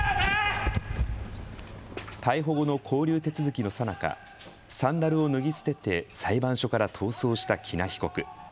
逮捕後の勾留手続きのさなか、サンダルを脱ぎ捨てて裁判所から逃走した喜納被告。